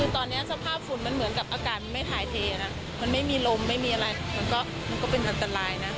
คือตอนนี้สภาพฝุ่นมันเหมือนกับอากาศมันไม่ถ่ายเทนะมันไม่มีลมไม่มีอะไรมันก็เป็นอันตรายนะ